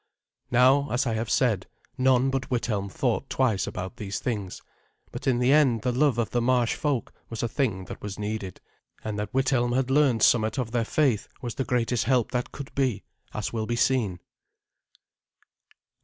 Now, as I have said, none but Withelm thought twice about these things; but in the end the love of the marsh folk was a thing that was needed, and that Withelm had learned somewhat of their faith was the greatest help that could be, as will be seen.